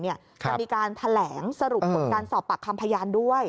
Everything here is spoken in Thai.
จะมีการแถลงสรุปผลการสอบปากคำพยานด้วย